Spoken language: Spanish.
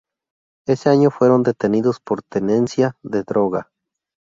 Ese año fueron detenidos por tenencia de droga.